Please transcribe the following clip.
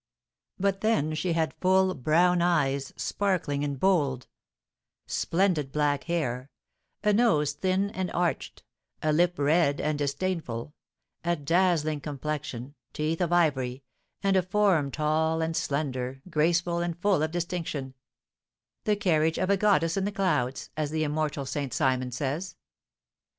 But then she had full, brown eyes, sparkling and bold; splendid black hair; a nose thin and arched; a lip red and disdainful; a dazzling complexion; teeth of ivory; and a form tall and slender, graceful, and full of distinction, the carriage of a goddess in the clouds, as the immortal Saint Simon says.